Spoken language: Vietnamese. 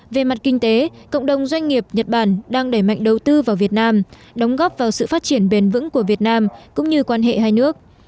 về mặt kinh tế cộng đồng doanh nghiệp nhật bản đang đẩy mạnh đầu tư vào việt nam đóng góp vào sự phát triển bền vững của việt nam cũng như quan hệ hai nước